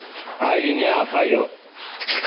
aidi niacpayoc